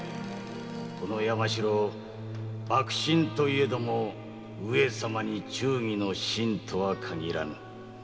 この山城幕臣といえども上様に忠義の臣とは限らぬ。